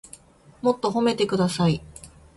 もっと褒めてください